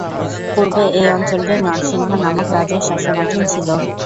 পূর্বে এই অঞ্চলটি নরসিংহ নামক রাজার শাসনাধীন ছিল।